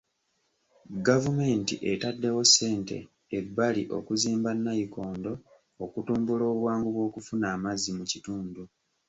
Gavumenti etaddewo ssente ebbali okuzimba nayikondo okutumbula obwangu bw'okufuna amazzi mu kitundu.